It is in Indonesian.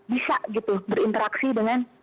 bisa gitu berinteraksi dengan